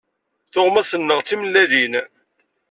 Tuɣmas-nneɣ d timellalin.